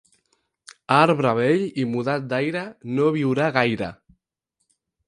Arbre vell i mudat d'aire, no viurà gaire.